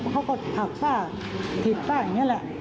เขาก็ถักฝ้าถีบฝ้าอย่างนี้แหละ